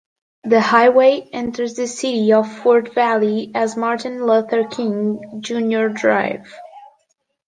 The highway enters the city of Fort Valley as Martin Luther King Junior Drive.